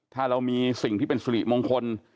ถ้าเรามีสิ่งที่เป็นสุริมงคล